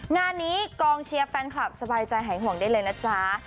งานนี้กองเชียร์แฟนคลับสบายใจหายห่วงได้เลยนะจ๊ะ